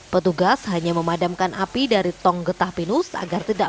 petugas hanya memadamkan api dari tong getah pinus agar tidak